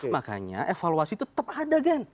makanya evaluasi itu tetap ada gen